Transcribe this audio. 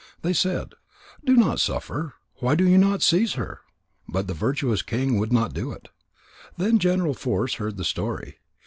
They said: "Do not suffer. Why do you not seize her?" But the virtuous king would not do it. Then General Force heard the story.